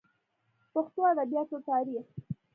پښتو ادبياتو تاريخ